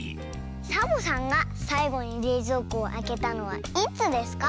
サボさんがさいごにれいぞうこをあけたのはいつですか？